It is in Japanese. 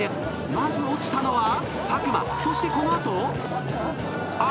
まず落ちたのは佐久間そしてこの後あっとカーブの瞬間